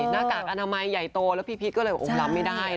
หน้ากากอนามัยใหญ่โตแล้วพี่พีชก็เลยรับไม่ได้